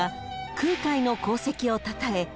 空海の功績をたたえ